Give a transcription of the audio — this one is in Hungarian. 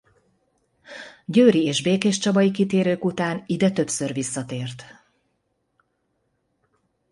Győri és Békéscsabai kitérők után ide többször visszatért.